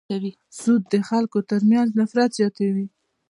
سود د خلکو تر منځ نفرت زیاتوي.